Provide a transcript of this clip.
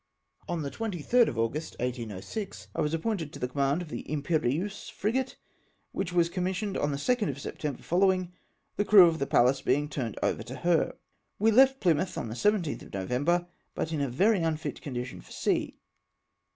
On the 23rd of August, 1806, I was appointed to the command of the Imperieuse frigate, which was commissioned on the 2nd of September following, the crew of the Pallas being turned over to her. We left Plymouth on the 17th of November, but in a very unfit condition for sea.